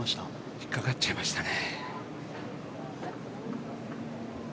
引っかかっちゃいましたね。